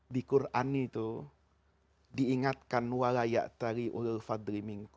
di qur'an itu diingatkan